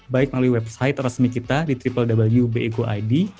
baik melalui website resmi kita di www bi co id